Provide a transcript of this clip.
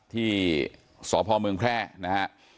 ที่สพเมืองแพร่นะฮะ